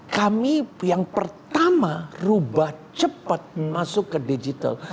kami yang pertama rubah cepat masuk ke digital